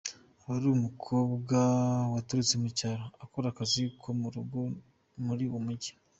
Aba ari umukobwa waturutse mu cyaro, ukora akazi ko mu rugo muri uwo mujyi.